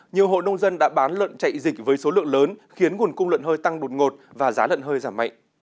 nhiều hộ nông dân đã bán lợn chạy dịch với số lượng lớn khiến nguồn cung lợn hơi tăng đột ngột và giá lợn hơi giảm mạnh